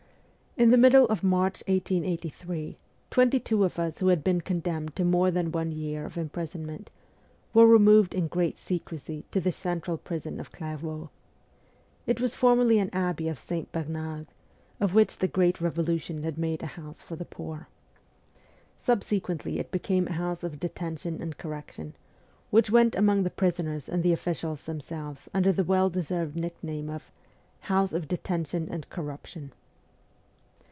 In the middle of March 1883, twenty two of us who had been condemned to more than one year of imprisonment, were removed in great secrecy to the central prison of Clairvaux. It was formerly an abbey of St. Bernard, of which the great ^Revolution had made a house for the poor. Subsequently it became a house of detention and correction, which went among the prisoners and the officials themselves under the well deserved nickname of 'house of detention and corruption.'